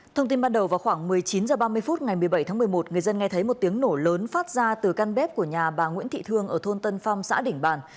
thông tin ban đầu vào khoảng một mươi chín h ba mươi phút ngày một mươi bảy tháng một mươi một người dân nghe thấy một tiếng nổ lớn phát ra từ căn bếp của nhà bà nguyễn thị thương ở thôn tân phong xã đỉnh bàn